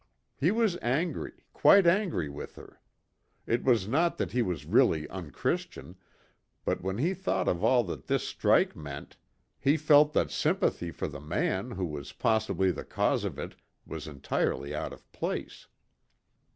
He was angry, quite angry with her. It was not that he was really unchristian, but when he thought of all that this strike meant, he felt that sympathy for the man who was possibly the cause of it was entirely out of place.